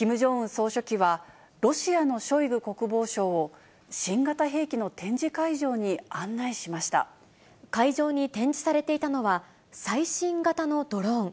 総書記は、ロシアのショイグ国防相を、新型兵器の展示会場に案内しまし会場に展示されていたのは、最新型のドローン。